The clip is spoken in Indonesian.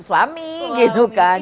suami gitu kan